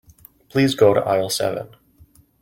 Please go to aisle seven.